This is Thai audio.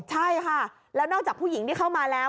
ใช่ค่ะแล้วนอกจากผู้หญิงที่เข้ามาแล้ว